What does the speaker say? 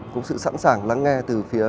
cũng sự sẵn sàng lắng nghe từ phía